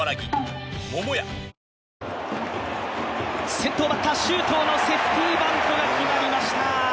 先頭バッター周東のセーフティーバントが決まりました。